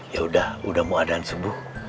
yaudah udah mau adaan subuh